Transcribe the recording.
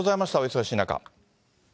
忙しい中。